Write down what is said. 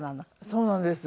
そうなんですよ。